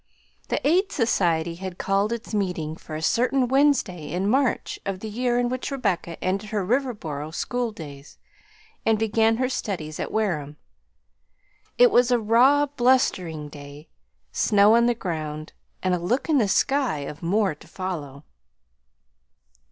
The Aid Society had called its meeting for a certain Wednesday in March of the year in which Rebecca ended her Riverboro school days and began her studies at Wareham. It was a raw, blustering day, snow on the ground and a look in the sky of more to follow.